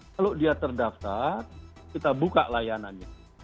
kalau dia terdaftar kita buka layanannya